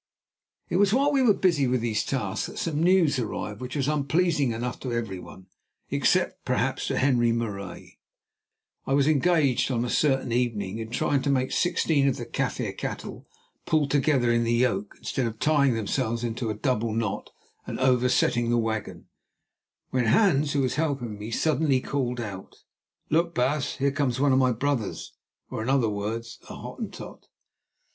It was while we were busy with these tasks that some news arrived which was unpleasing enough to everyone, except perhaps to Henri Marais. I was engaged on a certain evening in trying to make sixteen of the Kaffir cattle pull together in the yoke, instead of tying themselves into a double knot and over setting the wagon, when Hans, who was helping me, suddenly called out: "Look! baas, here comes one of my brothers," or, in other words, a Hottentot.